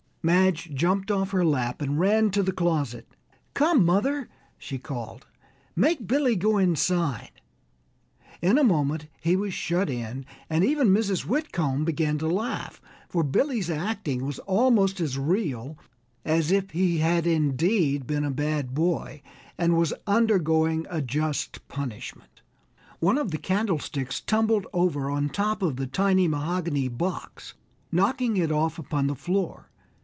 Madge jumped off her lap and ran to the closet. "Come, mother," she called, "make Billy go inside!" In a moment he was shut in, and even Mrs. Whitcomb began to laugh, for Billy's acting was almost as real as if he had indeed been a bad boy and was undergoing a just punishment. One of the candlesticks tumbled over on top of the tiny mahogany box, knocking it off upon the floor.